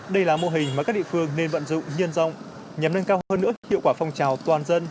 đây là mô hình mà các địa phương nên vận dụng nhân rộng nhằm nâng cao hơn nữa hiệu quả phong trào toàn dân